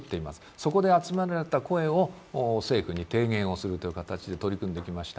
そこで集められた声を政府に提言をするという形で取り組んできました。